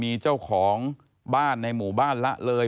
มีเจ้าของบ้านในหมู่บ้านละเลย